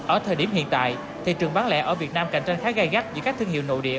ở thời điểm hiện tại thị trường bán lẻ ở việt nam cạnh tranh khá gai gắt giữa các thương hiệu nội địa